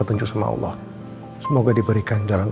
aku mau ketemu bapak